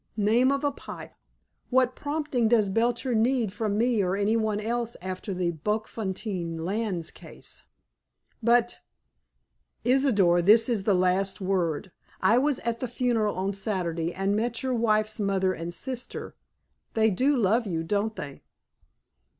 Name of a pipe! What prompting does Belcher need from me or anybody else after the Bokfontein Lands case?" "But—" "Isidor, this is the last word. I was at the funeral on Saturday, and met your wife's mother and sister. They do love you, don't they?"